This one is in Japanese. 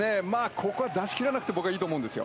ここは出しきらなくて僕はいいと思うんですよ。